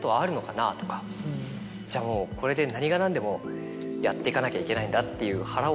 じゃあもうこれで何が何でもやっていかなきゃいけないんだっていう。